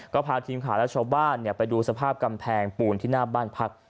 ก็พาทีมข่าวและชาวบ้านไปดูสภาพกำแพงปูนที่หน้าบ้านพัก